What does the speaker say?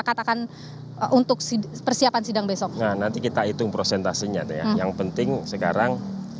katakan untuk si persiapan sidang besok nanti kita itu prosentasinya yang penting sekarang